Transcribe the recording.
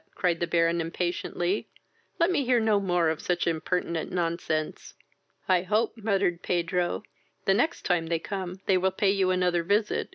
(cried the Baron impatiently;) let me hear no more such impertinent nonsense." "I hope (muttered Pedro) the next time they come, they will pay you another visit.